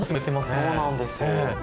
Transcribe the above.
そうなんですよ。